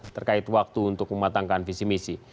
terkait waktu untuk mematangkan visi misi